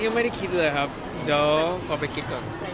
ไม่ได้คิดเลยครับเดี๋ยวขอไปคิดก่อน